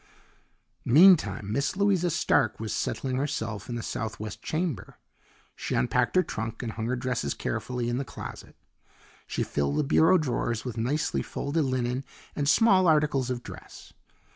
Meantime Miss Louisa Stark was settling herself in the southwest chamber. She unpacked her trunk and hung her dresses carefully in the closet. She filled the bureau drawers with nicely folded linen and small articles of dress.